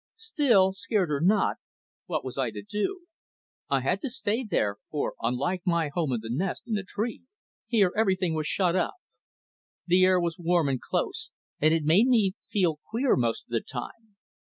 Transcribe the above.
Still, scared or not, what was I to do? I had to stay there, for, unlike my home in the nest in the tree, here everything was shut up. The air was warm and close, and it made me feel queer most of the time.